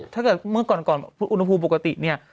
ถ้าเกิดเมื่อก่อนอุณหภูมิปกติเนี่ย